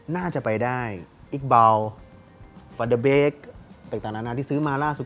น่าจะไปได้กิ๊บบาลฟอสเดอ์เบงตั้งแต่ที่ซื้อมาล่าสุด